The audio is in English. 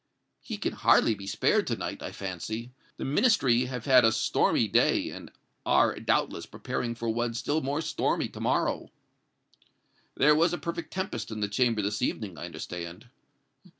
"He can hardly be spared to night, I fancy. The Ministry have had a stormy day, and are, doubtless, preparing for one still more stormy to morrow." "There was a perfect tempest in the Chamber this evening, I understand."